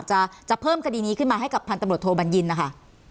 จะเพิ่มกดีนี้ขึ้นมาให้กับพันธบดโทบันยินค่ะ